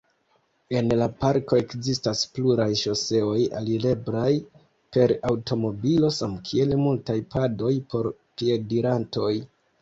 En la parko ekzistas pluraj ŝoseoj alireblaj per aŭtomobilo, samkiel multaj padoj por piedirantoj.